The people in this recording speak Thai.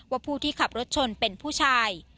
ผู้ที่ขับรถชนเป็นผู้ชาย